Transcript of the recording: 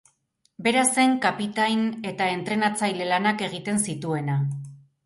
Bera zen kapitain eta entrenatzaile lanak egiten zituena.